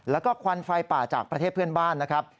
แล้วก็ควันไฟป่าจากประเทศเพื่อนบ้านนะครับ